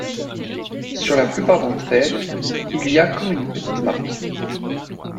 Sur la plupart d’entre elles, il y a comme une petite marque.